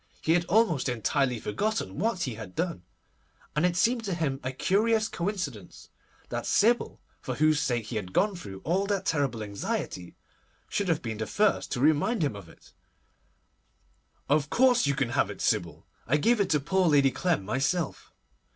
He had almost entirely forgotten what he had done, and it seemed to him a curious coincidence that Sybil, for whose sake he had gone through all that terrible anxiety, should have been the first to remind him of it. 'Of course you can have it, Sybil. I gave it to poor Lady Clem myself.